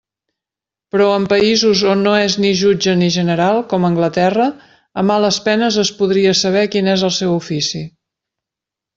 Però en països on no és ni jutge ni general, com a Anglaterra, a males penes es podria saber quin és el seu ofici.